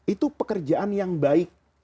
itu pekerjaan yang baik